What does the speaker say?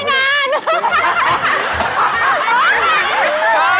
ไม่งาน